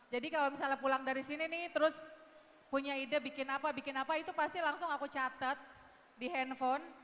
jadi kalau misalnya pulang dari sini nih terus punya ide bikin apa bikin apa itu pasti langsung aku catet di handphone